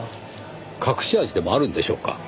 隠し味でもあるんでしょうか？